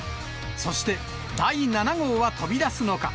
そして第７号は飛び出すのか。